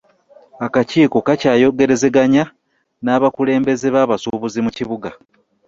Akakiiko kakyayogerezeganya n'abakulembeze b'abasuubuzi mu kibuga